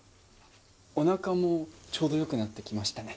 おなかもちょうどよくなってきましたね。